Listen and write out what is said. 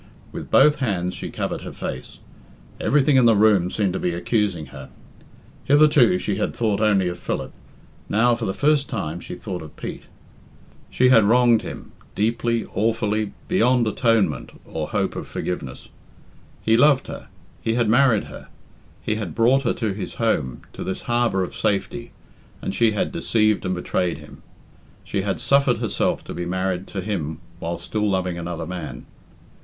With both hands she covered her face. Everything in the room seemed to be accusing her. Hitherto she had thought only of Philip. Now for the first time she thought of Pete. She had wronged him deeply, awfully, beyond atonement or hope of forgiveness. He loved her; he had married her; he had brought her to his home, to this harbour of safety, and she had deceived and betrayed him she had suffered herself to be married to him while still loving another man.